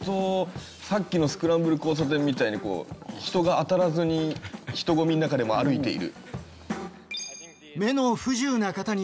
さっきのスクランブル交差点みたいにこう人が当たらずに人混みの中でも歩いている。